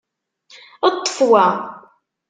Ṭṭef wa.